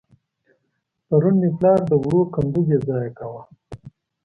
پرون مې پلار د وړو کندو بېځايه کاوه.